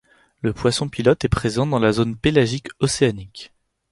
Le poisson pilote est présent dans la zone pélagique océanique.